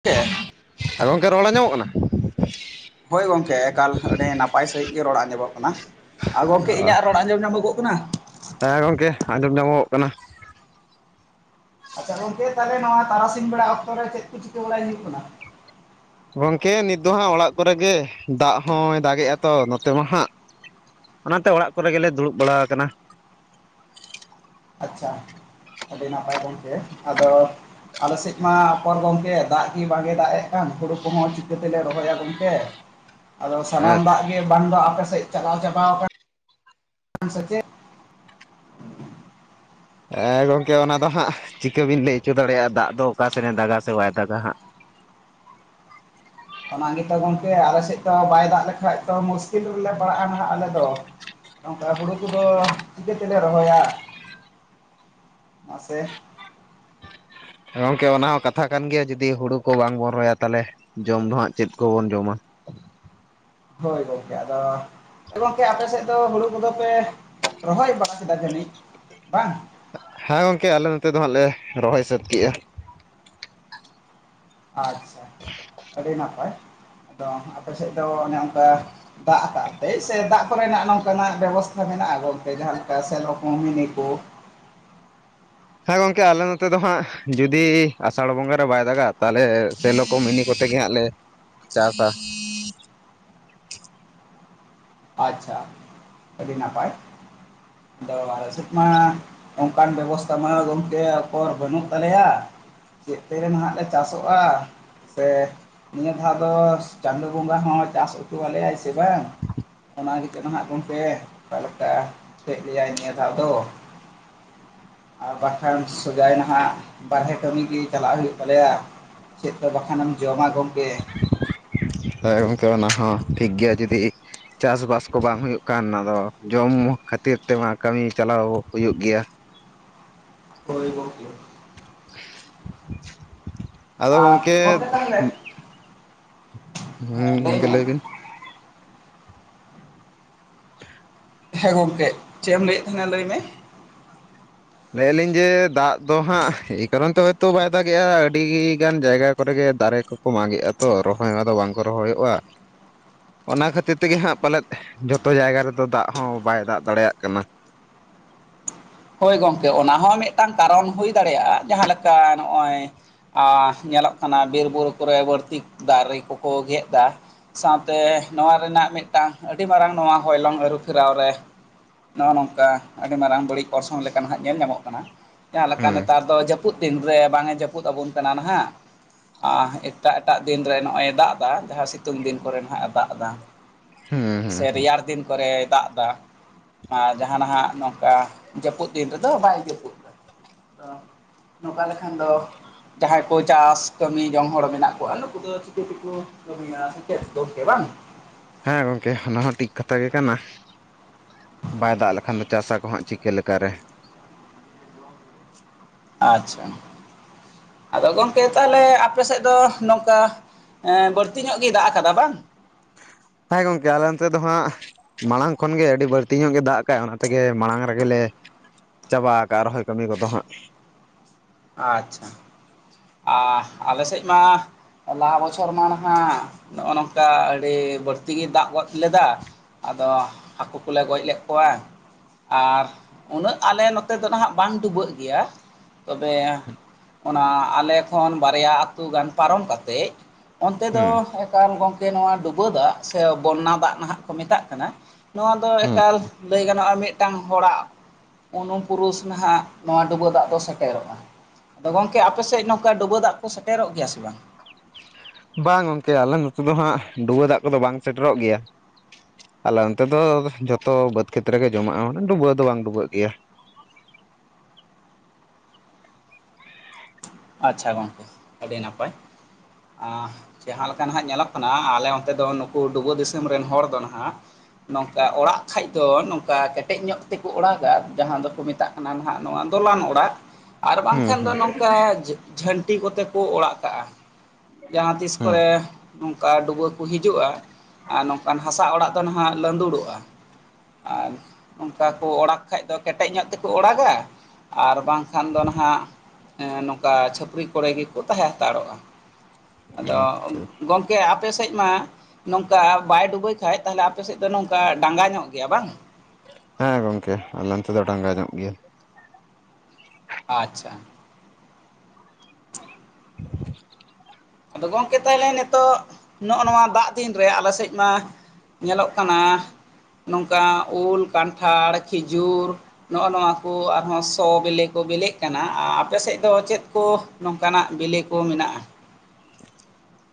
ᱜᱚᱝᱠᱮ ᱟ ᱜᱚᱢᱠᱮ ᱨᱚᱲ ᱟᱸᱢᱚᱢᱟᱜ ᱠᱟᱱᱟ? ᱦᱳᱭ ᱜᱚᱢᱠᱮ ᱮᱠᱟᱞ ᱟᱹᱰᱤ ᱱᱟᱯᱟᱭ ᱥᱟᱹᱦᱤᱡ ᱜᱮ ᱨᱚᱲ ᱟᱸᱡᱚᱢᱚᱜ ᱠᱟᱱᱟ᱾ ᱟᱨ ᱜᱚᱢᱠᱮ ᱤᱧᱟᱹᱜ ᱨᱚᱲ ᱟᱸᱡᱚᱢ ᱧᱟᱢᱚᱜᱚᱜ ᱠᱟᱱᱟ? ᱦᱮᱸ ᱜᱚᱢᱠᱮ ᱟᱸᱡᱚᱢ ᱧᱟᱢᱚᱜᱚᱜ ᱠᱟᱱᱟ᱾ ᱟᱪᱪᱷᱟ ᱜᱚᱝᱠᱮ ᱛᱟᱦᱚᱞᱮ ᱱᱚᱣᱟ ᱛᱟᱨᱟᱥᱤᱧ ᱵᱮᱲᱟ ᱚᱠᱛᱚᱨᱮ ᱪᱮᱫ ᱠᱚ ᱪᱤᱠᱟᱹ ᱵᱟᱲᱟᱭ ᱦᱩᱭᱩᱜ ᱠᱟᱱᱟ? ᱜᱚᱝᱠᱮ ᱱᱤᱛ ᱫᱚ ᱦᱟᱸᱜ ᱚᱲᱟᱜ ᱠᱚᱨᱮ ᱜᱮ ᱫᱟᱜ ᱦᱚᱸᱭ ᱫᱟᱜᱮᱜ-ᱟ ᱛᱚ ᱱᱚᱛᱮ ᱢᱟ ᱦᱟᱸᱜ᱾ ᱚᱱᱟᱛᱮ ᱚᱲᱟᱜ ᱠᱚᱨᱮ ᱜᱮᱞᱮ ᱫᱩᱲᱩᱵ ᱵᱟᱲᱟ ᱟᱠᱟᱱᱟ᱾ ᱟᱪᱪᱷᱟ, ᱟᱹᱰᱤ ᱱᱟᱯᱟᱭ ᱜᱚᱝᱠᱮ ᱟᱫᱚ ᱟᱞᱮᱥᱮᱫ ᱢᱟ ᱯᱚᱨ ᱜᱚᱢᱠᱮ ᱫᱟᱜ ᱜᱮ ᱵᱟᱝᱮ ᱫᱟᱜ ᱮᱫ ᱠᱟᱱ ᱦᱩᱲᱩ ᱠᱚᱦᱚᱸ ᱪᱤᱠᱟᱹᱛᱮᱞᱮ ᱨᱚᱦᱚᱭᱟ ᱜᱚᱝᱠᱮ? ᱟᱫᱚ ᱥᱟᱱᱟᱢ ᱫᱟᱜ ᱜᱮ ᱵᱟᱝ ᱫᱚ ᱟᱯᱮ ᱥᱮᱫ ᱪᱟᱵᱟᱣ ᱠᱟᱱ ᱥᱮ ᱪᱮᱫ, ᱦᱮᱸ ᱜᱚᱢᱠᱮ ᱚᱱᱟ ᱫᱚ ᱦᱟᱸᱜ ᱪᱤᱠᱟᱹ ᱵᱤᱱ ᱞᱟᱹᱭ ᱦᱚᱪᱚ ᱫᱟᱲᱮᱭᱟᱜ-ᱟ ᱫᱟᱜ ᱫᱚ ᱚᱠᱟ ᱥᱮᱱᱮ ᱫᱟᱜᱟ ᱥᱮ ᱵᱟᱭ ᱫᱟᱜᱟ ᱦᱟᱸᱜ᱾ ᱚᱱᱟ ᱜᱮᱛᱚ ᱜᱚᱢᱠᱮ ᱟᱞᱮ ᱥᱮᱫ ᱫᱚ ᱵᱟᱭ ᱫᱟᱜ ᱞᱮᱠᱷᱟᱡ ᱛᱚ ᱢᱩᱥᱠᱤᱞ ᱨᱮᱞᱮ ᱯᱟᱲᱟᱜ-ᱟ ᱱᱟᱜ ᱟᱞᱮ ᱫᱚ᱾ ᱱᱚᱝᱠᱟ ᱦᱩᱲᱩ ᱠᱚᱫᱚ ᱪᱤᱠᱟᱹ ᱛᱮᱞᱮ ᱨᱚᱦᱚᱭᱟ ᱢᱟᱥᱮ᱾ ᱦᱮ ᱜᱚᱝᱠᱮ ᱚᱱᱟ ᱦᱚᱸ ᱠᱟᱛᱷᱟ ᱠᱟᱱ ᱜᱮᱭᱟ ᱡᱩᱫᱤ ᱦᱩᱲᱩ ᱠᱚ ᱵᱟᱝ ᱵᱚᱱ ᱨᱚᱦᱭᱟ ᱛᱟᱦᱚᱞᱮ ᱡᱚᱢ ᱫᱚ ᱦᱟᱸᱜ ᱪᱮᱫ ᱠᱚᱵᱚᱱ ᱡᱚᱢᱟ᱾ ᱦᱳᱭ ᱜᱚᱢᱠᱮ ᱟᱫᱚ ᱜᱚᱝᱠᱮ ᱟᱯᱮᱥᱮᱫ ᱫᱚ ᱦᱩᱲᱩ ᱠᱚᱫᱚ ᱯᱮ ᱨᱚᱦᱚᱭ ᱵᱟᱲᱟ ᱠᱮᱫᱟ ᱡᱟᱹᱱᱤᱡ ᱵᱟᱝ? ᱦᱮᱸ ᱜᱚᱝᱠᱮ ᱟᱞᱮ ᱱᱚᱛᱮ ᱫᱚ ᱦᱟᱸᱜ ᱞᱮ ᱨᱚᱦᱚᱭ ᱥᱟᱹᱛ ᱠᱮᱜ-ᱟ᱾ ᱟᱪᱪᱷᱟ ᱟᱹᱰᱤ ᱱᱟᱯᱟᱭ ᱟᱫᱚ ᱟᱯᱮᱥᱮᱫ ᱫᱚ ᱚᱱᱮ ᱚᱱᱠᱟ ᱫᱟᱜ ᱟᱠᱟᱫ ᱛᱮᱭ ᱥᱮ ᱫᱟᱜ ᱠᱚᱨᱮᱱᱟᱜ ᱱᱚᱝᱠᱟᱱᱟᱜ ᱵᱮᱵᱚᱥᱛᱷᱟ ᱢᱮᱱᱟᱜ-ᱟ ᱜᱚᱝᱠᱮ ᱡᱟᱦᱟᱸ ᱞᱮᱠᱟ ᱥᱮᱞᱚ ᱠᱚ ᱢᱤᱱᱤ ᱠᱚ ᱦᱮᱸ ᱜᱚᱢᱠᱮ ᱟᱞᱮ ᱱᱚᱛᱮ ᱫᱚ ᱦᱟᱸᱜ ᱡᱩᱫᱤ ᱟᱥᱟᱲ ᱵᱚᱸᱜᱟ ᱨᱮ ᱵᱟᱭ ᱫᱟᱜᱟ ᱛᱟᱦᱚᱞᱮ ᱥᱮᱞᱚᱠᱚ ᱢᱤᱱᱤ ᱠᱚᱛᱮᱜ ᱜᱮ ᱦᱟᱸᱜ ᱞᱮ ᱪᱟᱥᱟ᱾ ᱟᱪᱪᱷᱟ ᱟᱹᱰᱤ ᱱᱟᱯᱟᱭ ᱟᱫᱚ ᱟᱞᱮ ᱥᱮᱫ ᱢᱟ ᱚᱱᱠᱟᱱ ᱵᱮᱵᱚᱥᱛᱷᱟ ᱢᱟ ᱜᱚᱝᱠᱮ ᱚᱠᱚᱨ ᱵᱟᱹᱱᱩᱜ ᱛᱟᱞᱮᱭᱟ ᱪᱮᱫ ᱛᱮ ᱱᱟᱦᱟᱜ ᱞᱮ ᱪᱟᱥᱚᱜᱼᱟ ᱥᱮ ᱱᱤᱭᱟᱹ ᱫᱷᱟᱣ ᱫᱚ ᱪᱟᱸᱫᱳ ᱵᱚᱸᱜᱟ ᱦᱚᱸ ᱪᱟᱥ ᱦᱩᱪᱟᱹᱣᱟᱞᱮᱭᱟᱭ ᱥᱮ ᱵᱟᱝ, ᱚᱱᱟ ᱜᱮ ᱪᱚ ᱦᱟᱜ ᱜᱚᱢᱠᱮ ᱚᱠᱟ ᱞᱮᱠᱟ ᱠᱮᱜ ᱞᱮᱭᱟᱭ ᱱᱤᱭᱟᱹ ᱫᱷᱟᱣ ᱫᱚ, ᱟᱨ ᱵᱟᱝᱠᱷᱟᱱ ᱥᱚᱡᱟᱭ ᱱᱟᱦᱟᱜ ᱵᱟᱦᱨᱮ ᱠᱟᱹᱢᱤ ᱦᱩᱭᱩᱜ ᱛᱟᱞᱮᱭᱟ᱾ ᱪᱮᱫ ᱫᱚ ᱵᱟᱠᱷᱟᱱᱮᱢ ᱡᱚᱢᱟ ᱜᱚᱢᱠᱮ, ᱦᱳᱭ ᱜᱚᱢᱠᱮ ᱚᱱᱟ ᱦᱚᱸ ᱴᱷᱤᱠ ᱜᱮᱭᱟ ᱡᱩᱫᱤ ᱪᱟᱥᱵᱟᱥ ᱠᱚ ᱵᱟᱝ ᱦᱩᱭᱩᱜ ᱠᱷᱟᱱ ᱟᱫᱚ ᱡᱚᱢ ᱠᱷᱟᱹᱛᱤᱨ ᱛᱮᱢᱟ ᱠᱟᱹᱢᱤ ᱪᱟᱞᱟᱣ ᱦᱩᱭᱩᱜ ᱜᱮᱭᱟ᱾ [inaudible] ᱦᱳᱭ ᱜᱚᱢᱠᱮ ᱟᱫᱚ ᱟᱨ ᱜᱚᱝᱠᱮ ᱜᱚᱢᱠᱮ ᱛᱟᱦᱚᱞᱮ ᱦᱮᱸ ᱜᱚᱝᱠᱮ ᱞᱟᱹᱭ ᱵᱤᱱ [inaudible] ᱦᱮᱸ ᱜᱚᱢᱠᱮ ᱪᱮᱫ ᱮᱢ ᱞᱟᱹᱭᱮᱫ ᱛᱟᱦᱮᱸᱱᱟ ᱞᱟᱹᱭ ᱢᱮ ᱞᱟᱹᱭ ᱞᱤᱧ ᱡᱮ ᱫᱟᱜ ᱫᱚ ᱦᱟᱸᱜ ᱮᱭ ᱠᱟᱨᱚᱱ ᱛᱮ ᱦᱳᱭᱛᱚ ᱵᱟᱭ ᱫᱟᱜᱮᱜᱼᱟ ᱟᱹᱰᱤ ᱜᱟᱱ ᱡᱟᱭᱜᱟ ᱠᱚᱨᱮᱜᱮ ᱫᱟᱨᱮ ᱠᱚ ᱠᱚ ᱢᱟᱜᱮᱜᱼᱟ ᱛᱚ ᱨᱚᱦᱚᱭᱫᱚ ᱵᱟᱝᱠᱚ ᱨᱚᱦᱚᱭᱚᱜᱼᱟ, [inaudible] ᱚᱱᱟ ᱠᱷᱟᱹᱛᱤᱨ ᱛᱮᱜᱮ ᱦᱟᱸᱜ ᱯᱟᱞᱮᱫ ᱡᱚᱛᱚ ᱡᱟᱭᱜᱟ ᱨᱮᱫᱚ ᱫᱟᱜ ᱦᱚᱸ ᱵᱟᱭ ᱫᱟᱜ ᱫᱟᱲᱮᱭᱟᱜ ᱠᱟᱱᱟ᱾ ᱦᱳᱭ ᱜᱚᱝᱠᱮ ᱚᱱᱟ ᱦᱚᱸ ᱢᱤᱫᱴᱟᱝ ᱠᱟᱨᱚᱱ ᱦᱩᱭ ᱫᱟᱲᱮᱭᱟᱜᱼᱟ ᱡᱟᱦᱟᱸᱞᱮᱠᱟ ᱱᱚᱜᱼᱚᱭ ᱟᱨ ᱧᱮᱞᱚᱜ ᱠᱟᱱᱟ ᱵᱤᱨ ᱵᱩᱨᱩ ᱠᱚᱨᱮ ᱵᱟᱹᱲᱛᱤ ᱫᱟᱨᱮ ᱠᱚᱠᱚ ᱜᱮᱫ ᱮᱫᱟ, ᱥᱟᱶᱛᱮ ᱱᱚᱣᱟ ᱨᱮᱱᱟᱜ ᱢᱤᱫᱴᱟᱝ ᱟᱹᱰᱤ ᱢᱟᱨᱟᱝ ᱱᱚᱣᱟ ᱦᱚᱭᱞᱚᱝ ᱟᱹᱨᱩᱯᱷᱮᱨᱟᱣ ᱨᱮ ᱱᱚᱜᱼᱚᱭ ᱱᱚᱝᱠᱟ ᱟᱹᱰᱤ ᱢᱟᱨᱟᱝ ᱵᱟᱹᱲᱤᱡ ᱚᱨᱥᱚᱝ ᱞᱮᱠᱟ ᱱᱟᱦᱟᱜ ᱧᱮᱞ ᱧᱟᱢᱚᱜ ᱠᱟᱱᱟ ᱡᱟᱦᱟᱸ ᱞᱮᱠᱟ ᱦᱩᱸ ᱱᱮᱛᱟᱨ ᱫᱚ ᱡᱟᱹᱯᱩᱫ ᱫᱤᱱ ᱨᱮ ᱵᱟᱝ ᱮ ᱡᱟᱹᱯᱩᱫ ᱟᱵᱚᱱ ᱠᱟᱱᱟ ᱱᱟᱦᱟᱜ, ᱟ ᱮᱴᱟᱜ ᱮᱴᱟᱜ ᱫᱤᱱᱨᱮ ᱱᱚᱜᱼᱚᱭ ᱫᱟᱜ ᱫᱟ ᱡᱟᱦᱟᱸ ᱥᱤᱛᱩᱝ ᱫᱤᱱ ᱠᱚᱨᱮ ᱱᱟᱦᱟᱜ ᱮ ᱫᱟᱜ ᱮᱫᱟ᱾ ᱦᱩᱸ ᱥᱮ ᱦᱩᱸ ᱦᱩᱸ ᱨᱮᱭᱟᱲ ᱫᱤᱱ ᱠᱚᱨᱮᱭ ᱫᱟᱜ ᱫᱟ ᱟᱨ ᱡᱟᱦᱟᱱᱟᱜ ᱱᱚᱝᱠᱟ ᱡᱟᱹᱯᱩᱫ ᱫᱤᱱ ᱨᱮᱫᱚ ᱵᱟᱭ [unintelligible] ᱱᱚᱝᱠᱟ ᱞᱮᱠᱷᱟᱱ ᱫᱚ ᱡᱟᱦᱟᱸᱭ ᱠᱚ ᱪᱟᱥ ᱠᱟᱹᱢᱤ ᱡᱚᱝ ᱦᱚᱲ ᱢᱮᱱᱟᱜ ᱠᱚᱣᱟ ᱱᱩᱠᱩ ᱫᱚ ᱪᱤᱠᱟᱹ ᱛᱮᱠᱚ ᱠᱟᱹᱢᱤᱭᱟ ᱥᱮ ᱪᱮᱫ ᱜᱚᱝᱠᱮ ᱵᱟᱝ? ᱦᱮᱸ ᱜᱚᱝᱠᱮ ᱚᱱᱟ ᱦᱚᱸ ᱴᱷᱤᱠ ᱠᱟᱛᱷᱟ ᱜᱮ ᱠᱟᱱᱟ᱾ ᱵᱟᱭ ᱫᱟᱜ ᱞᱮᱠᱷᱟᱱ ᱫᱚ ᱪᱟᱥᱟ ᱠᱚ ᱦᱟᱸᱜ ᱪᱤᱠᱟᱹ ᱞᱮᱠᱟᱨᱮ, ᱟᱪᱪᱷᱟ ᱟᱫᱚ ᱜᱚᱢᱠᱮ ᱛᱟᱷᱚᱞᱮ ᱟᱯᱮ ᱥᱮᱫ ᱫᱚ ᱱᱚᱝᱠᱟ ᱵᱟᱹᱲᱛᱤ ᱧᱚᱜ ᱜᱮᱭ ᱫᱟᱜ ᱟᱠᱟᱫᱟ ᱵᱟᱝ? ᱦᱚᱭ ᱜᱚᱢᱠᱮ ᱟᱞᱮ ᱚᱱᱛᱮ ᱫᱚ ᱦᱟᱸᱜ ᱢᱟᱲᱟᱝ ᱠᱷᱚᱱᱜᱮ ᱟᱹᱰᱤ ᱵᱟᱹᱲᱛᱤ ᱧᱚᱜ ᱜᱮ ᱫᱟᱜ ᱠᱟᱜ-ᱟ ᱚᱱᱟ ᱛᱮᱜᱮ ᱢᱟᱲᱟᱝ ᱨᱮᱜᱮᱞ ᱞᱮ ᱪᱟᱵᱟ ᱟᱠᱜᱼᱟ ᱨᱚᱷᱚᱭ ᱠᱟᱹᱢᱤ ᱠᱚᱫᱚ ᱦᱟᱸᱜ᱾ ᱟᱪᱪᱷᱟ ᱟ ᱟᱞᱮ ᱥᱮᱡ ᱢᱟ ᱞᱟᱦᱟ ᱵᱚᱪᱷᱚᱨ ᱢᱟ ᱱᱟᱦᱟᱜ ᱱᱚᱜᱼᱚ ᱱᱚᱝᱠᱟ ᱟᱹᱰᱤ ᱵᱟᱹᱲᱛᱤ ᱜᱮ ᱫᱟᱜ ᱜᱚᱫ ᱞᱮᱫᱟ᱾ ᱟᱫᱚ ᱦᱟᱹᱠᱩ ᱠᱚᱞᱮ ᱜᱚᱡ ᱞᱮᱫ ᱠᱚᱣᱟ, ᱟᱨ ᱩᱱᱟᱹᱜ ᱟᱞᱮ ᱱᱚᱛᱮ ᱫᱚ ᱱᱟᱦᱟᱜ ᱵᱟᱝ ᱰᱩᱵᱟᱹᱜ ᱜᱮᱭᱟ᱾ ᱛᱚᱵᱮ ᱚᱱᱟ ᱟᱞᱮ ᱠᱷᱚᱱ ᱵᱟᱨᱭᱟ ᱟᱹᱛᱩ ᱜᱟᱱ ᱯᱟᱨᱚᱢ ᱠᱟᱛᱮ ᱚᱱᱛᱮ ᱫᱚ ᱦᱩᱸ ᱮᱠᱟᱞ ᱜᱚᱢᱠᱮ ᱱᱚᱣᱟ ᱰᱩᱵᱟᱹ ᱫᱟᱜ ᱥᱮ ᱵᱚᱱᱟ ᱫᱟᱜ ᱱᱟᱜ ᱠᱚ ᱢᱮᱛᱟᱜ ᱠᱟᱱᱟ, ᱱᱚᱣᱟ ᱫᱚ ᱦᱩᱸ ᱮᱠᱟᱞ ᱞᱟᱹᱭ ᱜᱟᱱᱚᱜᱼᱟ ᱢᱤᱫᱴᱟᱝ ᱦᱚᱲᱟᱜ ᱩᱱᱩᱢᱯᱩᱨᱩᱥ ᱱᱟᱦᱟᱜ ᱱᱚᱣᱟ ᱰᱩᱵᱟᱹ ᱫᱟᱜ ᱫᱚ ᱥᱮ ᱴᱮᱨᱚᱜᱼᱟ ᱟᱫᱚ ᱜᱚᱝᱠᱮ ᱟᱯᱮᱥᱮᱫ ᱱᱚᱝᱠᱟ ᱰᱩᱵᱟᱹ ᱫᱟᱜ ᱠᱚ ᱥᱮᱴᱮᱨᱚᱜ ᱜᱮᱭᱟ ᱥᱮ ᱵᱟᱝ? ᱵᱟᱝ ᱜᱚᱝᱠᱮ ᱟᱞᱮ ᱱᱚᱛᱮ ᱫᱚ ᱦᱟᱸᱜ ᱰᱩᱣᱟᱹ ᱫᱟᱜ ᱠᱚᱫᱚ ᱵᱟᱝ ᱥᱮᱴᱮᱨᱚᱜ ᱜᱮᱭᱟ᱾ ᱟᱞᱮ ᱚᱱᱛᱮ ᱫᱚ ᱡᱷᱚᱛᱚ ᱵᱟᱹᱫᱽ ᱠᱷᱮᱛᱨᱮ ᱜᱮ ᱡᱚᱢᱟᱜᱼᱟ ᱰᱩᱵᱟᱹ ᱫᱚ ᱵᱟᱝ ᱰᱩᱵᱟᱹᱜ ᱜᱮᱭᱟ᱾ ᱟᱪᱪᱷᱟ ᱜᱚᱝᱠᱮ ᱟᱹᱰᱤ ᱱᱟᱯᱟᱭ ᱟᱸ ᱡᱟᱦᱟᱸ ᱞᱮᱠᱟ ᱱᱟᱜ ᱧᱮᱞᱚᱜ ᱠᱟᱱᱟ ᱟᱞᱮ ᱚᱱᱛᱮ ᱫᱚ ᱱᱩᱠᱩ ᱰᱩᱵᱟᱹ ᱫᱤᱥᱚᱢ ᱨᱮᱱ ᱦᱚᱲ ᱫᱚ ᱱᱟᱦᱟᱜ᱾ ᱱᱚᱝᱠᱟ ᱚᱲᱟᱜ ᱠᱷᱟᱡ ᱫᱚ ᱱᱚᱝᱠᱟ ᱠᱮᱴᱮᱡ ᱧᱚᱜ ᱛᱮᱠᱚ ᱚᱲᱟᱜᱟ ᱡᱟᱦᱟᱸ ᱫᱚᱠᱚ ᱢᱮᱛᱟᱜ ᱠᱟᱱᱟ ᱱᱟᱦᱟᱜ ᱱᱚᱣᱟ ᱫᱚᱞᱟᱱ ᱚᱲᱟᱜ ᱟᱨ ᱦᱩᱸ ᱵᱟᱝᱠᱷᱟᱱ ᱫᱚ ᱱᱚᱝᱠᱟ᱾ ᱡᱷᱟᱹᱱᱴᱤ ᱠᱚᱛᱮ ᱠᱚ ᱚᱲᱟᱜ ᱠᱟᱜᱼᱟ᱾ ᱡᱟᱦᱟᱸ ᱛᱤᱥ ᱦᱩᱸ ᱠᱚᱨᱮ ᱱᱚᱝᱠᱟ ᱰᱩᱵᱟᱹ ᱠᱚ ᱦᱤᱡᱩᱜᱼᱟ᱾ ᱟᱨ ᱱᱚᱝᱠᱟᱱ ᱦᱟᱥᱟ ᱚᱲᱟᱜ ᱫᱚ ᱱᱟᱦᱟᱜ ᱞᱟᱸᱫᱩᱲᱚᱜᱼᱟ᱾ ᱟᱨ ᱚᱱᱠᱟ ᱠᱚ ᱚᱲᱟᱜ ᱠᱷᱟᱡ ᱫᱚ ᱠᱮᱴᱮᱡ ᱧᱚᱜ ᱛᱮᱠᱚ ᱚᱲᱟᱜᱟ ᱟᱨ ᱵᱟᱝᱠᱷᱟᱱ ᱫᱚ ᱱᱟᱦᱜ ᱱᱚᱝᱠᱟ ᱪᱷᱟᱹᱯᱨᱤ ᱠᱚᱨᱮ ᱜᱮᱠᱚ ᱛᱟᱦᱮᱸ ᱦᱟᱛᱟᱲᱚᱜᱼᱟ᱾ ᱦᱩᱸ ᱟᱫᱚ ᱟᱪᱪᱷᱟ ᱜᱚᱢᱠᱮ ᱟᱯᱮ ᱥᱮᱫ ᱢᱟ, ᱱᱚᱝᱠᱟ ᱵᱟᱭ ᱰᱩᱵᱟᱹᱭ ᱠᱷᱟᱡ ᱛᱟᱦᱚᱞᱮ ᱟᱯᱮᱥᱮᱫ ᱫᱚ ᱱᱚᱝᱠᱟ ᱰᱟᱸᱜᱟ ᱧᱚᱜ ᱜᱮᱭᱟ ᱵᱟᱝ᱾ ᱦᱮᱸ ᱜᱚᱝᱠᱮ ᱟᱞᱮ ᱱᱚᱛᱮ ᱫᱚ ᱰᱟᱸᱜᱟ ᱧᱚᱜ ᱜᱮᱭᱟ᱾ ᱟᱪᱪᱷᱟ [unintelligible] ᱟᱫᱚ ᱜᱚᱝᱠᱮ ᱛᱟᱦᱚᱞᱮ ᱱᱤᱛᱚᱜ ᱱᱚᱜᱼᱚ ᱱᱚᱣᱟ ᱫᱟᱜ ᱫᱤᱱᱨᱮ ᱟᱞᱮ ᱥᱮᱫ ᱢᱟᱼᱼ ᱧᱮᱞᱚᱜ ᱠᱟᱱᱟ ᱱᱚᱝᱠᱟ ᱩᱞ ᱠᱟᱱᱴᱷᱟᱲ ᱠᱷᱤᱡᱩᱨᱼᱼ ᱱᱚᱜᱼᱚ ᱱᱚᱣᱟ ᱠᱚ ᱟᱨᱦᱚᱸ ᱥᱚ ᱵᱤᱞᱤ ᱠᱚ ᱵᱤᱞᱤᱜ ᱠᱟᱱᱟ ᱟᱯᱮ ᱥᱮᱫ ᱫᱚ ᱪᱮᱫ ᱠᱚ? ᱱᱚᱝᱠᱟᱱᱟᱜ ᱵᱤᱞᱤ ᱠᱚ ᱢᱮᱱᱟᱜᱼᱟ᱾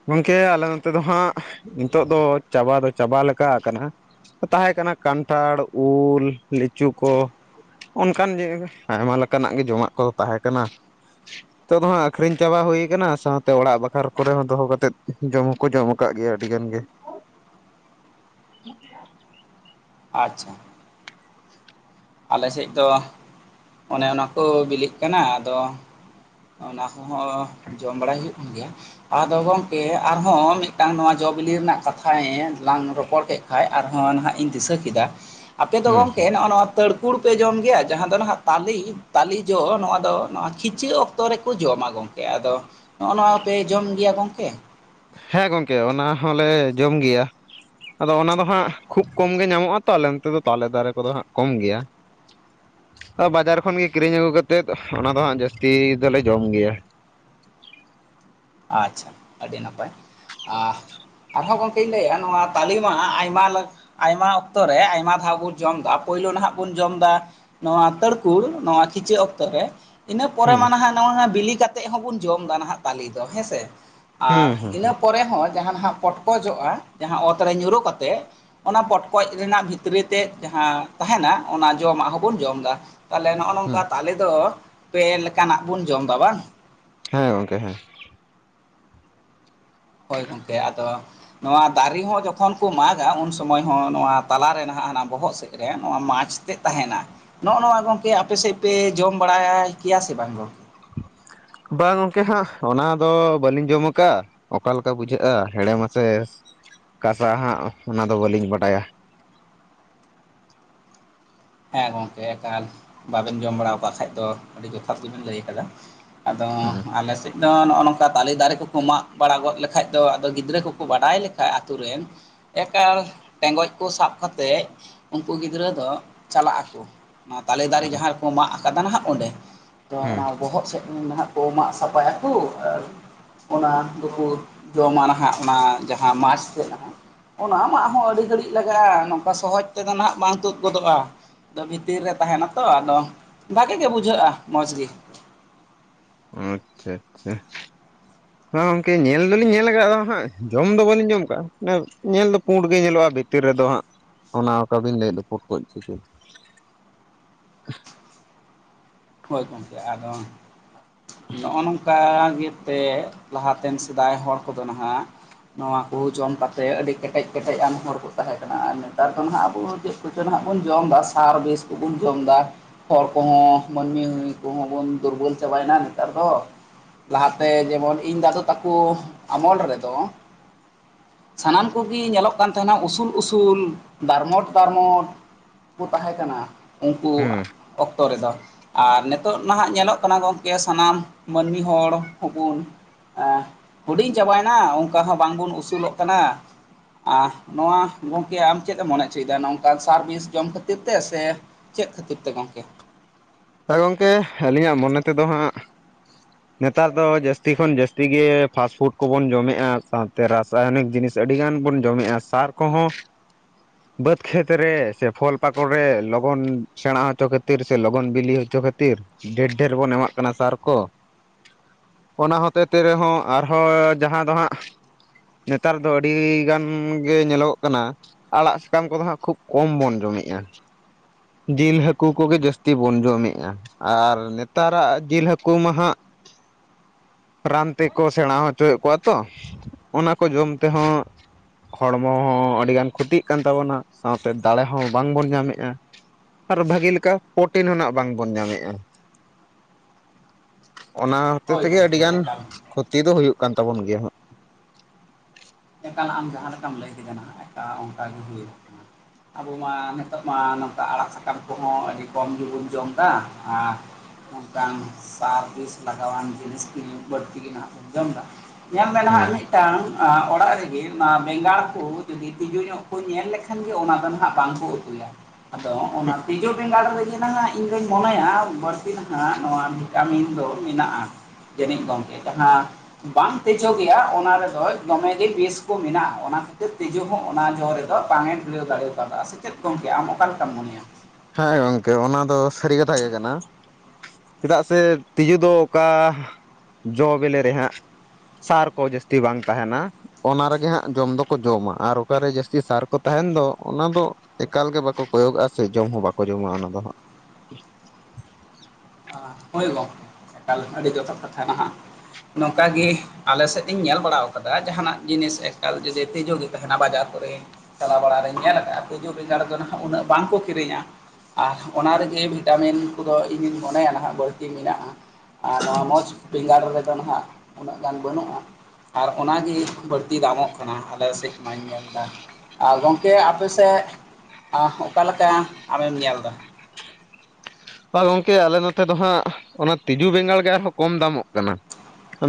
ᱜᱚᱝᱠᱮ ᱟᱞᱮ ᱱᱚᱛᱮ ᱫᱚ ᱦᱟᱸᱜ ᱱᱤᱛᱚᱜ ᱫᱚ ᱪᱟᱵᱟ ᱫᱚ ᱪᱟᱵᱟ ᱞᱮᱠᱟ ᱠᱟᱱᱟ ᱛᱟᱦᱮᱸ ᱠᱟᱱᱟ ᱠᱟᱱᱴᱷᱟᱲ ᱩᱞ ᱞᱤᱪᱩ ᱠᱚᱼᱼ ᱚᱱᱠᱟᱱ ᱡᱤᱥ ᱟᱭᱢᱟ ᱞᱮᱠᱟᱱᱟᱜ ᱜᱮ ᱡᱚᱢᱟᱜ ᱠᱚᱫᱚ ᱛᱟᱦᱮᱸ ᱠᱟᱱᱟ ᱱᱤᱛᱚᱜ ᱦᱟᱸᱜ ᱟᱠᱷᱨᱤᱧ ᱪᱟᱵᱟ ᱦᱩᱭᱩᱠᱟᱱᱟ ᱥᱟᱶᱛᱮ ᱚᱲᱟᱜ ᱵᱟᱠᱷᱨᱟ ᱠᱚᱨᱮ ᱦᱚᱸᱼᱼ ᱫᱚᱦᱚ ᱠᱟᱛᱮ ᱡᱚᱢ ᱦᱚᱸᱠᱚ ᱡᱚᱢ ᱠᱟᱜ ᱜᱮᱭᱟ ᱟᱹᱰᱤ ᱜᱟᱱ ᱜᱮ ᱾ ᱟᱪᱪᱷᱟ ᱟᱞᱮᱥᱮᱫ ᱫᱚ ᱚᱱᱮ ᱚᱱᱟᱠᱚ ᱵᱤᱞᱤᱜ ᱠᱟᱱᱟ ᱟᱫᱚ ᱾ ᱚᱱᱟ ᱠᱚᱦᱚᱸ ᱡᱚᱢ ᱵᱟᱲᱟᱭ ᱦᱩᱭᱩᱜ ᱠᱟᱱ ᱜᱮᱭᱟ ᱾ ᱟᱫᱚ ᱜᱚᱝᱠᱮ ᱟᱨᱦᱚᱸ ᱢᱤᱫᱴᱟᱝ ᱡᱚ ᱵᱤᱞᱤ ᱨᱮᱱᱟᱜ ᱠᱟᱛᱷᱟᱭᱮᱱ ᱾ ᱞᱟᱝ ᱨᱚᱯᱚᱲ ᱠᱮᱫ ᱠᱷᱟᱱ ᱟᱨᱦᱚᱸ ᱱᱟᱦᱟᱜ ᱫᱤᱥᱟᱹ ᱠᱮᱫᱟ ᱟᱯᱮᱫᱚ ᱦᱩᱸ ᱱᱚᱜᱼᱚ ᱱᱚᱣᱟ ᱾ ᱛᱟᱹᱲᱠᱩᱲ ᱯᱮ ᱡᱚᱢ ᱜᱮᱭᱟ ᱡᱟᱦᱟᱸ ᱫᱚ ᱱᱟᱦᱟᱜ ᱛᱟᱞᱤ ᱛᱟᱞᱤ ᱡᱚ ᱱᱚᱣᱟ ᱫᱚ ᱱᱚᱣᱟ ᱠᱷᱤᱪᱟᱹ ᱚᱠᱛᱚ ᱨᱮᱠᱚ ᱡᱚᱢᱟ ᱜᱚᱝᱠᱮ ᱾ ᱟᱫᱚ ᱱᱚᱜᱼᱚ ᱱᱚᱣᱟ ᱯᱮ ᱡᱚᱢ ᱜᱮᱭᱟ ᱜᱚᱝᱠᱮ? ᱦᱮᱸ ᱜᱚᱝᱠᱮ ᱚᱱᱟ ᱦᱚᱞᱮ ᱡᱚᱢ ᱜᱮᱭᱟ᱾ ᱟᱫᱚ ᱚᱱᱟ ᱫᱚ ᱦᱟᱸᱜ ᱠᱷᱩᱵ ᱠᱚᱢ ᱧᱟᱢᱚᱜᱼᱟ ᱛᱚ ᱟᱞᱮ ᱚᱱᱛᱮ ᱫᱚ ᱛᱟᱞᱮ ᱫᱟᱨᱮ ᱠᱚᱫᱚ ᱦᱟᱸᱜ ᱠᱚᱢ ᱜᱮᱭᱟ ᱾ ᱵᱟᱡᱟᱨ ᱠᱷᱚᱱ ᱜᱮ ᱠᱤᱨᱤᱧ ᱟᱹᱜᱩ ᱠᱟᱛᱮᱫ ᱚᱱᱟ ᱫᱚ ᱦᱟᱸᱜ ᱡᱟᱹᱥᱛᱤ ᱫᱚᱞᱮ ᱡᱚᱢ ᱜᱮᱭᱟ ᱾ ᱟᱪᱪᱷᱟ ᱟᱹᱰᱤ ᱱᱟᱯᱟᱭ ᱟᱷ ᱟᱨᱦᱚᱸ ᱜᱚᱝᱠᱮᱧ ᱞᱟᱹᱭᱟ ᱱᱚᱣᱟ ᱛᱟᱹᱞᱤ ᱢᱟ ᱟᱭᱢᱟ᱾ ᱟᱭᱢᱟ ᱚᱠᱛᱚ ᱨᱮ ᱟᱭᱢᱟ ᱫᱷᱟᱣ ᱵᱚᱱ ᱡᱚᱢ ᱮᱫᱟ ᱯᱳᱭᱞᱳ ᱱᱟᱦᱟᱜ ᱵᱚᱱ ᱡᱚᱢ ᱮᱫᱟ ᱱᱚᱣᱟ ᱛᱟᱹᱲᱠᱩᱲ ᱱᱚᱣᱟ ᱠᱷᱤᱪᱟᱹᱜ ᱚᱠᱛᱚ ᱨᱮ ᱤᱱᱟᱹ ᱯᱚᱨᱮ ᱦᱩᱸ ᱢᱟ ᱱᱟᱦᱟᱜ ᱱᱚᱜᱼᱚᱭ ᱵᱤᱞᱤ ᱠᱟᱛᱮᱜ ᱦᱚᱸᱵᱚᱱ ᱡᱚᱢ ᱮᱫᱟ ᱱᱟᱦᱟᱜ ᱛᱟᱞᱮ ᱫᱚ ᱦᱮᱸᱥᱮ ᱾ ᱟᱨ ᱦᱩᱸ ᱦᱩᱸ ᱤᱱᱟᱹ ᱯᱚᱨᱮ ᱦᱚᱸ ᱡᱟᱦᱟᱸ ᱱᱟᱦᱟᱜ ᱯᱚᱴᱠᱚᱡᱚᱜᱼᱟ ᱡᱟᱦᱟᱸ ᱚᱛ ᱨᱮ ᱧᱩᱨᱩ ᱠᱟᱛᱮᱫ ᱾ ᱚᱱᱟ ᱯᱚᱴᱠᱚᱡ ᱨᱮᱱᱟᱜ ᱵᱷᱤᱛᱨᱤ ᱛᱮ ᱡᱟᱦᱟᱸ ᱛᱟᱦᱮᱱᱟ ᱚᱱᱟ ᱡᱚᱢᱟᱜ ᱦᱚᱸᱵᱚᱱ ᱡᱚᱢ ᱮᱫᱟ᱾ ᱛᱟᱦᱚᱞᱮ ᱱᱚᱜᱼᱚ ᱦᱩᱸ ᱱᱚᱝᱠᱟ ᱛᱟᱞᱮ ᱫᱚ ᱯᱮ ᱞᱮᱠᱟᱱᱟᱜ ᱵᱚᱱ ᱡᱚᱢ ᱮᱫᱟ ᱵᱟᱝ? ᱦᱮᱸ ᱜᱚᱝᱠᱮ ᱦᱮᱸ ᱦᱳᱭ ᱜᱚᱝᱠᱮ ᱟᱫᱚ ᱱᱚᱣᱟ ᱫᱟᱨᱤ ᱦᱚᱸ ᱡᱚᱠᱷᱚᱱ ᱠᱚ ᱢᱟᱜᱟ ᱩᱱ ᱥᱩᱚᱢᱚᱭ ᱦᱚᱸ ᱱᱚᱣᱟ ᱛᱟᱞᱟᱨᱮ ᱱᱟᱦᱟᱜ ᱦᱟᱱᱟ ᱵᱚᱦᱚᱜ ᱥᱮ ᱨᱮ ᱱᱚᱣᱟ ᱢᱟᱪᱽ ᱛᱮᱫ ᱛᱟᱦᱮᱱᱟ᱾ ᱱᱚᱜ ᱱᱚᱣᱟ ᱜᱚᱝᱠᱮ ᱟᱯᱮ ᱥᱮᱜ‌ ᱯᱮ ᱡᱚᱢ ᱵᱟᱲᱟ-ᱟᱭ ᱠᱮᱭᱟ ᱥᱮ ᱵᱟᱝ ᱜᱚᱝᱠᱮ? ᱵᱟᱝ ᱜᱚᱝᱠᱮ ᱦᱟᱸᱜ ᱚᱱᱟ ᱫᱚ ᱵᱟᱹᱞᱤᱧ ᱡᱚᱢ ᱟᱠᱟᱜᱼᱟ? ᱚᱠᱟ ᱞᱮᱠᱟ ᱵᱩᱡᱷᱟᱹᱜᱼᱟ ᱦᱮᱲᱮᱢᱟ ᱥᱮ ᱠᱟᱥᱟ ᱦᱟᱸᱜ ᱚᱱᱟᱫᱚ ᱵᱟᱹᱞᱤᱧ ᱵᱟᱰᱟᱭᱟ ᱾ ᱦᱮᱸ ᱜᱚᱝᱠᱮ ᱮᱠᱟᱞ ᱵᱟᱵᱮᱱ ᱡᱚᱢ ᱵᱟᱲᱟ ᱠᱟᱣ ᱠᱷᱟᱡ ᱫᱚ ᱟᱹᱰᱤ ᱡᱚᱛᱷᱟᱛ ᱜᱮᱵᱮᱱ ᱞᱟᱹᱭ ᱟᱠᱟᱫᱟ᱾ ᱟᱫᱚ ᱦᱩᱸ ᱟᱞᱮ ᱥᱮᱫ ᱱᱚ ᱱᱚᱜᱼᱚ ᱱᱚᱝᱠᱟ ᱛᱟᱞᱮ ᱫᱟᱨᱮ ᱠᱚᱠᱚ ᱢᱟᱜ ᱵᱟᱲᱟ ᱜᱚᱫ ᱞᱮᱠᱷᱟᱡ ᱫᱚ ᱟᱫᱚ ᱜᱤᱫᱽᱨᱟᱹ ᱠᱚᱠᱚ‌ ᱵᱟᱰᱟᱭ ᱞᱮᱠᱷᱟᱡ ᱟᱛᱩ ᱨᱮᱱ, ᱮᱠᱟᱞ ᱴᱮᱸᱜᱚᱡ ᱠᱚ ᱥᱟᱵ ᱠᱟᱛᱮᱜ ᱩᱱᱠᱩ ᱜᱤᱫᱽᱨᱟᱹ ᱫᱚ ᱪᱟᱞᱟᱜ ᱟᱠᱩ ᱚᱱᱟ ᱛᱟᱞᱮ ᱫᱟᱨᱮ ᱡᱟᱦᱟᱸ ᱨᱮᱠᱚ ᱢᱟᱜ ᱠᱟᱫᱟ ᱱᱟᱦᱟᱸᱜ ᱚᱸᱰᱮ ᱾ ᱛᱚ ᱦᱩᱸ ᱚᱱᱟ ᱵᱚᱦᱚᱜ ᱥᱮᱫ ᱩ ᱢᱟᱢᱟᱜ ᱠᱩ ᱢᱟᱜ ᱥᱟᱯᱷᱟᱭᱟ ᱠᱩ ᱟᱨ, ᱚᱱᱟ ᱫᱩᱠᱩ ᱡᱚᱢᱟ ᱱᱟᱦᱟᱜ ᱚᱱᱟ ᱡᱟᱦᱟᱸ ᱢᱟᱪᱽ ᱛᱮᱫ ᱱᱟᱦᱟᱜ᱾ ᱚᱱᱟ ᱢᱟᱜ ᱦᱚᱸ ᱟᱹᱰᱤ ᱜᱷᱟᱹᱲᱤᱡ ᱞᱟᱜᱟᱜᱼᱟ ᱱᱚᱝᱠᱟ ᱥᱚᱦᱚᱡᱽ ᱛᱮᱫᱚ ᱱᱟᱦᱟᱸᱜ ᱵᱟᱝ ᱛᱩᱫ ᱜᱚᱫᱚᱜᱼᱟ ᱾ ᱚᱫ ᱵᱷᱤᱛᱤᱨ ᱨᱮ ᱛᱟᱦᱮᱱᱟ ᱛᱚ ᱟᱫᱚ ᱵᱷᱟᱜᱮ ᱜᱮ ᱵᱩᱡᱷᱟᱹᱜᱼᱟ ᱢᱚᱸᱡᱽ ᱜᱤ᱾ ᱚ ᱟᱪᱪᱷᱟ ᱟᱪᱪᱷᱟ᱾ ᱦᱚ ᱜᱚᱝᱠᱮ ᱧᱮᱞ ᱫᱚᱞᱤᱧ ᱧᱮᱞ [unintelligible] ᱦᱟᱸᱜ ᱡᱚᱢ ᱫᱚ ᱵᱟᱹᱞᱤᱧ ᱡᱚᱢ ᱠᱟᱜᱼᱟ ᱧᱮᱞ ᱫᱚ ᱯᱩᱸᱰ ᱜᱮ ᱧᱮᱞᱚᱜᱼᱟ ᱵᱷᱤᱛᱤᱨ ᱨᱮᱫᱚ ᱦᱟᱸᱜ ᱚᱱᱟ ᱚᱠᱟᱵᱤᱱ ᱞᱟᱹᱭᱮᱫ ᱫᱚ ᱯᱩᱰ ᱠᱚᱜ [unintelligible] ᱦᱳᱭ ᱜᱚᱝᱠᱮ ᱟᱫᱚ ᱱᱚᱜᱼᱚ ᱱᱚᱝᱠᱟ ᱜᱮᱛᱮ ᱞᱟᱦᱟᱛᱮᱱ ᱥᱮᱫᱟᱭ ᱦᱚᱲ ᱠᱚᱫᱚ ᱱᱟᱦᱟᱸᱜ ᱾ ᱱᱚᱣᱟ ᱠᱩ ᱡᱚᱢ ᱠᱟᱛᱮᱜ ᱟᱹᱰᱤ ᱠᱮᱴᱮᱡ ᱠᱮᱴᱮᱡ ᱟᱱ ᱦᱚᱲ ᱠᱚ ᱛᱟᱦᱮᱸ ᱠᱟᱱᱟ ᱟᱨ ᱱᱮᱛᱟᱨ ᱫᱚ ᱱᱟᱦᱟᱸᱜ ᱟᱵᱩ [unintelligible] ᱱᱟᱦᱟᱜ ᱵᱚᱱ ᱡᱚᱢ ᱮᱫᱟ ᱥᱟᱨ ᱵᱮᱥ ᱠᱚᱵᱚᱱ ᱡᱚᱢ ᱮᱫᱟ ᱦᱚᱲ ᱠᱚᱦᱚᱸ, ᱢᱟᱹᱱᱢᱤ ᱠᱩᱦᱚᱸ ᱵᱚᱱ ᱫᱩᱨᱵᱚᱞ ᱪᱟᱵᱟᱭᱮᱱᱟ ᱱᱮᱛᱟᱨ ᱫᱚ᱾ ᱞᱟᱦᱟᱛᱮ ᱡᱮᱢᱚᱱ ᱤᱧ ᱫᱟᱫᱳ ᱛᱟᱠᱩ ᱟᱢᱚᱞ ᱨᱮᱫᱚ, ᱥᱟᱱᱟᱢ ᱠᱚᱜᱤ ᱧᱮᱞᱚᱜ ᱠᱟᱱ ᱛᱟᱦᱮᱱᱟ ᱩᱥᱩᱞ ᱩᱥᱩᱞ ᱫᱟᱨᱢᱚᱴ ᱫᱟᱨᱢᱚᱴ, ᱠᱩ ᱛᱟᱦᱮᱸ ᱠᱟᱱᱟ ᱩᱱᱠᱩ ᱦᱮᱸ ᱚᱠᱛᱚ ᱨᱮᱫᱚ ᱾ ᱟᱨ ᱱᱮᱛᱚᱜ ᱱᱟᱦᱟᱸᱜ ᱧᱮᱞᱚᱜ ᱠᱟᱱᱟ ᱜᱚᱝᱠᱮ ᱥᱟᱱᱟᱢ ᱢᱟᱹᱱᱢᱤ ᱦᱚᱲ ᱦᱚᱯᱩᱱ, ᱟᱸᱦ ᱦᱩᱰᱤᱧ ᱪᱟᱵᱟᱭᱮᱱᱟ ᱚᱱᱠᱟ ᱦᱚᱸ ᱵᱟᱝᱵᱚᱱ ᱩᱥᱩᱞᱚᱜ ᱠᱟᱱᱟ, ᱟᱸᱦ ᱱᱚᱣᱟ ᱜᱚᱝᱠᱮ ᱟᱢ ᱪᱮᱫ ᱮᱢ ᱢᱚᱱᱮ ᱦᱚᱪᱚᱭᱮᱫᱟ ᱱᱚᱝᱠᱟᱱ ᱥᱟᱨᱵᱷᱤᱥ ᱡᱚᱢ ᱠᱷᱟᱹᱛᱤᱨ ᱛᱮ ᱥᱮ? ᱪᱮᱫ ᱠᱷᱟᱹᱛᱤᱨ ᱛᱮ ᱜᱚᱝᱠᱮ? ᱛᱟᱭ ᱜᱚᱝᱠᱮ ᱟᱹᱞᱤᱧᱟᱜ ᱢᱚᱱᱮ ᱛᱮᱫᱚ ᱦᱟᱸᱜ, [unintelligible] ᱱᱮᱛᱟᱨ ᱫᱚ ᱡᱟᱹᱥᱛᱤ ᱠᱷᱚᱱ ᱡᱟᱹᱥᱛᱤ ᱜᱮ ᱯᱷᱟᱥᱯᱷᱩᱰ ᱠᱚᱵᱚᱱ ᱡᱚᱢᱮᱜ-ᱟ ᱥᱟᱶᱛᱮ ᱨᱟᱥᱟᱭᱚᱱᱤᱠ ᱡᱤᱱᱤᱥ, ᱟᱹᱰᱤ ᱜᱟᱱ ᱵᱚᱱ ᱡᱚᱢᱮᱜᱼᱟ ᱥᱟᱨ ᱠᱚᱦᱚᱸ, [inaudible] ᱵᱟᱹᱫᱽ ᱠᱷᱮᱛ ᱨᱮ ᱥᱮ ᱯᱷᱚᱞ ᱯᱟᱠᱚᱲ ᱨᱮ ᱞᱚᱜᱚᱱ ᱥᱮᱬᱟ ᱦᱚᱪᱚ ᱠᱷᱟᱹᱛᱤᱨ ᱥᱮ ᱞᱚᱜᱚᱱ, ᱵᱤᱞᱤ ᱦᱚᱪᱚ ᱠᱷᱟᱹᱛᱤᱨ ᱰᱷᱮᱨ ᱰᱷᱮᱨ ᱵᱚᱱ ᱮᱢᱟᱜ ᱠᱟᱱᱟ ᱥᱟᱨ ᱠᱚ᱾ ᱚᱱᱟ ᱦᱚᱛᱮ ᱛᱮ ᱨᱮᱦᱚᱸ ᱟᱨᱦᱚᱸ ᱡᱟᱦᱟᱸ ᱫᱚ ᱦᱟᱸᱜ, ᱱᱮᱛᱟᱨ ᱫᱚ ᱟᱹᱰᱤ ᱜᱟᱱ ᱜᱮ ᱧᱮᱞᱚᱜᱚᱜ ᱠᱟᱱᱟ, ᱟᱲᱟᱜ ᱥᱟᱠᱟᱢ ᱠᱚᱫᱚ ᱦᱟᱸᱜ ᱠᱷᱩᱵ ᱠᱚᱢ ᱵᱚᱱ ᱡᱚᱢᱮᱜᱼᱟ ᱡᱤᱞ ᱦᱟᱹᱠᱩ ᱠᱚᱜᱮ ᱡᱟᱹᱥᱛᱤ ᱵᱚᱱ ᱡᱚᱢᱮᱜ-ᱟ ᱟᱨ ᱱᱮᱛᱟᱨᱟᱜ ᱡᱤᱞ ᱦᱟᱹᱠᱩ ᱢᱟ ᱦᱟᱜ, ᱨᱟᱱ ᱛᱮᱠᱚ ᱥᱮᱬᱟ ᱦᱚᱪᱚᱭᱮᱜ ᱠᱚᱣᱟ ᱛᱚ ᱚᱱᱟ ᱠᱚ ᱡᱚᱢ ᱛᱮᱦᱚᱸ, ᱦᱚᱲᱢᱚ ᱦᱚᱸ ᱟᱹᱰᱤᱜᱟᱱ ᱠᱷᱚᱛᱤᱜ ᱠᱟᱱ ᱛᱟᱵᱚᱱᱟ ᱥᱟᱶᱛᱮ ᱫᱟᱲᱮ ᱦᱚᱸ ᱵᱟᱝᱵᱚᱱ ᱧᱟᱢᱮᱜᱼᱟ᱾ ᱟᱨᱚ ᱵᱷᱟᱹᱜᱮᱞᱮᱠᱟ ᱯᱚᱴ ᱴᱤᱱ ᱦᱚᱸ ᱱᱟᱜ ᱵᱟᱝ ᱵᱚᱱ ᱧᱟᱢᱮᱫᱼᱟ, ᱚᱱᱟ ᱦᱚᱛᱮ ᱦᱳᱭ ᱛᱮᱜᱮ ᱟᱹᱰᱤ ᱜᱚᱢᱠᱮ ᱜᱟᱱ ᱮᱠᱟᱞ ᱠᱷᱚᱛᱤ ᱫᱚ ᱦᱩᱭᱩᱜ ᱠᱟᱱ ᱛᱟᱵᱚᱱ ᱜᱮᱭᱟ ᱾ ᱮᱠᱟᱞ ᱟᱢ ᱡᱟᱦᱟᱸ ᱞᱮᱠᱟᱢ ᱞᱟᱹᱭ ᱠᱮᱫᱟ ᱱᱟᱜ ᱮᱠᱟᱞ ᱚᱱᱠᱟᱟᱜ ᱜᱮ ᱦᱩᱭᱚᱜ ᱠᱟᱱᱟ᱾ ᱟᱵᱚ ᱢᱟ ᱱᱤᱛᱚᱜ ᱢᱟ ᱱᱚᱝᱠᱟ ᱟᱲᱟᱜ ᱥᱟᱠᱟᱢ ᱠᱚᱦᱚᱸ ᱟᱹᱰᱤ ᱠᱚᱢ ᱜᱮᱵᱚᱱ ᱡᱚᱢᱫᱟ ᱚᱝᱠᱟᱱ ᱥᱟᱨ ᱵᱤᱥ ᱞᱟᱜᱟᱣᱟᱱ ᱡᱤᱱᱤᱥ ᱠᱚ ᱵᱟᱹᱲᱛᱤ ᱜᱮ ᱱᱟᱜ ᱵᱚᱱ ᱡᱚᱢ ᱫᱟ᱾ ᱧᱮᱞ ᱢᱮ ᱱᱟᱜ ᱦᱩᱸ ᱢᱤᱫᱴᱟᱝ ᱚᱲᱟᱜ ᱨᱮᱜᱮ ᱚᱱᱟ ᱵᱮᱸᱜᱟᱲ ᱠᱚ ᱡᱩᱫᱤ ᱛᱸᱤᱡᱩ ᱧᱚᱜ ᱠᱚ ᱧᱮᱞ ᱞᱮᱠᱷᱟᱱ ᱜᱮ ᱚᱱᱟ ᱫᱚ ᱱᱟᱦᱟᱸᱜ ᱵᱟᱝᱠᱚ ᱩᱛᱩᱭᱟ ᱟᱫᱚ ᱚᱱᱟ ᱛᱤᱡᱩ ᱵᱮᱸᱜᱟᱲ ᱨᱮᱜᱮ ᱱᱟᱦᱟᱸᱜ ᱤᱧ ᱫᱩᱧ ᱢᱚᱱᱮᱭᱟ ᱵᱟᱹᱲᱛᱤ ᱱᱟᱦᱟᱸᱜ ᱱᱚᱣᱟ ᱵᱷᱤᱴᱟᱢᱤᱱ ᱫᱚ ᱢᱮᱱᱟᱜᱼᱟ᱾ ᱡᱟᱹᱱᱤᱡ ᱜᱚᱢᱠᱮ ᱡᱟᱦᱟᱸ ᱵᱟᱝ ᱛᱮᱡᱚᱜ ᱜᱮᱭᱟ ᱚᱱᱟ ᱨᱮᱫᱚ ᱫᱚᱢᱮ ᱟᱹᱰᱤ ᱵᱮᱥ ᱠᱚ ᱢᱮᱱᱟᱜᱼᱟ ᱚᱱᱟ ᱠᱷᱟᱹᱛᱤᱨ ᱛᱤᱡᱩ ᱦᱚᱸ ᱚᱱᱟ ᱡᱚ ᱨᱮᱫᱚ ᱵᱟᱝ ᱮ ᱴᱩᱞᱟᱹᱣ ᱫᱟᱲᱮ ᱟᱠᱟᱫᱟ ᱥᱮ ᱪᱮᱫ ᱜᱚᱝᱠᱮ ᱟᱢ ᱚᱠᱟ ᱞᱮᱠᱟᱢ ᱢᱚᱱᱮᱭᱟ? ᱦᱮᱸ ᱜᱚᱝᱠᱮ ᱚᱱᱟ ᱫᱚ ᱥᱟᱹᱨᱤ ᱠᱟᱛᱷᱟ ᱜᱮ ᱠᱟᱱᱟ ᱾ ᱪᱮᱫᱟᱜ ᱥᱮ ᱛᱤᱡᱩ ᱫᱚ ᱚᱠᱟ ᱡᱚ ᱵᱮᱞᱮ ᱨᱮᱦᱟᱸᱜ ᱥᱟᱨ ᱠᱚ ᱡᱟᱹᱥᱛᱤ ᱵᱟᱝ ᱛᱟᱦᱮᱱᱟ ᱚᱱᱟ ᱨᱮᱜᱮ ᱦᱟᱸᱜ ᱡᱚᱢ ᱫᱚᱠᱚ ᱡᱚᱢᱟ ᱟᱨ ᱚᱠᱟᱨᱮ ᱡᱟᱹᱥᱛᱤ ᱥᱟᱨ ᱠᱚ ᱛᱟᱦᱮᱱ ᱫᱚ ᱚᱱᱟ ᱫᱚ ᱮᱠᱟᱞᱜᱮ ᱵᱟᱠᱚ ᱠᱚᱭᱚᱜ ᱟᱜᱟ ᱥᱮ ᱡᱚᱢ ᱦᱚᱸ ᱵᱟᱠᱚ ᱡᱚᱢᱟ ᱚᱱᱟ ᱫᱚ ᱦᱟᱸᱜ᱾ ᱦᱳᱭ ᱜᱚᱝᱠᱮ ᱮᱠᱟᱞ ᱟᱹᱰᱤ ᱡᱚᱛᱚ ᱠᱟᱛᱷᱟ ᱱᱟᱦᱟᱸᱜ ᱱᱚᱝᱠᱟ ᱜᱮ ᱟᱞᱮ ᱥᱮᱫ ᱤᱧ ᱧᱮᱞ ᱵᱟᱲᱟ ᱟᱠᱟᱫᱟ ᱡᱟᱦᱟᱱᱟᱜ ᱡᱤᱱᱤᱥ ᱮᱠᱟᱞ ᱡᱫᱤ ᱛᱤᱡᱩ ᱜᱮ ᱛᱟᱦᱮᱱᱟ ᱵᱟᱡᱟᱨ ᱠᱚᱨᱮ ᱪᱟᱞᱟᱣ ᱵᱟᱲᱟᱨᱤᱧ ᱧᱮᱞ ᱟᱠᱟᱫᱼᱟ ᱛᱤᱡᱩ ᱵᱮᱸᱟᱲᱫᱚ ᱱᱟᱦᱟᱸᱜ ᱩᱱᱟᱹᱜ ᱵᱟᱝᱠᱚ ᱠᱤᱨᱤᱧᱟ᱾ ᱟᱨ ᱚᱱᱟ ᱨᱮᱜᱮ ᱵᱷᱤᱴᱟᱢᱤᱱ ᱠᱚᱫᱚ ᱤᱧᱤᱧ ᱢᱚᱱᱮᱭᱟ ᱱᱟᱦᱟᱸᱜ ᱵᱟᱹᱲᱛᱤ ᱢᱮᱱᱟᱜᱼᱟ᱾ ᱟᱨ ᱱᱚᱣᱟ ᱢᱚᱡᱽ ᱵᱮᱸᱜᱟᱲ ᱨᱮᱫᱚ ᱱᱟᱦᱟᱸᱜ ᱩᱱᱟᱹᱜ ᱜᱟᱱ ᱵᱟᱹᱱᱩᱜᱼᱟ᱾ ᱟᱨ ᱚᱱᱟᱜᱮ ᱵᱟᱹᱲᱛᱤ ᱫᱟᱢᱚᱜ ᱠᱟᱱᱟ ᱟᱞᱮ ᱥᱮᱫ ᱢᱟᱧ ᱧᱮᱞ ᱮᱫᱟ ᱾ ᱟᱨ ᱜᱚᱝᱠᱮ ᱟᱯᱮ ᱥᱮᱫ ᱚᱠᱟ ᱞᱮᱠᱟ ᱟᱢᱮᱢ ᱧᱮᱞ ᱮᱫᱟ? ᱟᱨ ᱜᱚᱝᱠᱮ ᱟᱞᱮ ᱱᱚᱛᱮ ᱫᱚ ᱦᱟᱸᱜ ᱚᱱᱟ ᱛᱤᱡᱩ ᱵᱮᱸᱜᱟᱲ ᱜᱮ ᱟᱨᱦᱚᱸ ᱠᱚᱢ ᱫᱟᱢᱚᱜ ᱠᱟᱱᱟ ᱾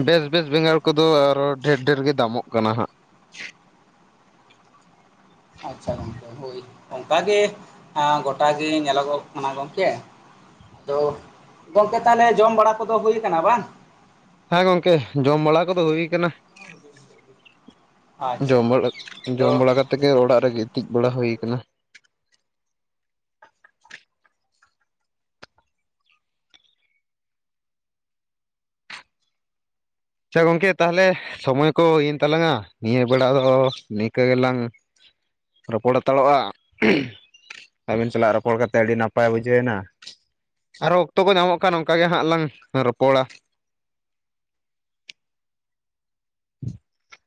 ᱵᱮᱥ ᱵᱮᱥ ᱵᱮᱸᱜᱟᱲ ᱠᱚᱫᱚ ᱟᱨᱚ ᱰᱷᱮᱨ ᱰᱷᱮᱨ ᱜᱮ ᱫᱟᱢᱚᱜ ᱠᱟᱱᱟ ᱦᱟᱸᱜ ᱾ ᱟᱪᱪᱷᱟ ᱜᱚᱝᱠᱮ ᱦᱳᱭ ᱚᱱᱠᱟᱜᱮ ᱜᱚᱴᱟᱮ ᱧᱮᱞᱚᱜᱚᱜ ᱠᱟᱱᱟ ᱜᱚᱝᱠᱮ᱾ ᱟᱫᱚ ᱜᱚᱝᱠᱮ ᱛᱟᱦᱚᱞᱮ ᱡᱚᱢ ᱵᱟᱲᱟ ᱠᱚᱫᱚ ᱦᱩᱭᱟ ᱟᱠᱟᱱᱟ ᱵᱟᱝ? ᱦᱮᱸ ᱜᱚᱝᱠᱮ ᱡᱚᱢ ᱵᱟᱲᱟ ᱠᱚᱫᱚ ᱦᱩᱭ ᱠᱟᱱᱟ᱾ ᱟᱪᱪᱷᱟ ᱡᱚᱢ ᱵᱟᱲᱟ ᱡᱚᱢ ᱟᱫᱚ ᱵᱟᱲᱟ ᱠᱟᱛᱮ ᱜᱮ ᱚᱲᱟᱜ ᱨᱮᱜᱮ ᱜᱤᱛᱤᱡ ᱵᱟᱲᱟ ᱦᱩᱭᱩ ᱟᱠᱟᱱᱟ᱾ ᱟᱪᱪᱷᱟ ᱜᱚᱝᱠᱮ ᱛᱟᱦᱚᱞᱮ ᱥᱚᱢᱚᱭ ᱠᱚ ᱮᱱ ᱛᱟᱞᱟᱝᱟ ᱱᱤᱭᱟᱹ ᱵᱮᱲᱟ ᱫᱚ ᱱᱤᱝᱠᱟᱹ ᱜᱮᱞᱟᱝ ᱨᱚᱯᱚᱲ ᱦᱟᱛᱟᱲᱚᱼᱟ᱾ ᱟᱹᱵᱤᱱ ᱥᱟᱞᱟᱜ ᱨᱚᱯᱚᱲ ᱠᱟᱛᱮᱫ ᱟᱹᱰᱤ ᱱᱟᱯᱟᱭ ᱵᱩᱡᱷᱟᱹᱣ ᱮᱱᱟ ᱾ ᱟᱨᱦᱚ ᱚᱠᱛᱚ ᱠᱚ ᱧᱟᱢᱚᱜ ᱠᱷᱟᱱ ᱚᱱᱠᱟ ᱜᱮ ᱦᱟᱸᱜ ᱞᱟᱝ ᱨᱚᱯᱚᱲᱟ᱾ [unintelligible]